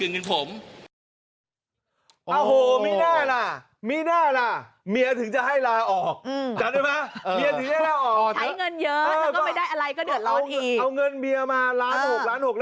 เอาเงินเมียมาล้านหก